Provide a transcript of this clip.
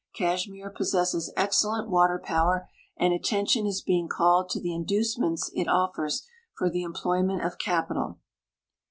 Kashmir possesses excellent water power, and attention is be ing called to the inducements it offers for the employment of capital.